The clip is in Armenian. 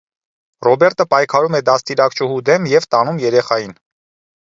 Ռոբերտը պայքարում է դաստիարակչուհու դեմ և տանում երեխային։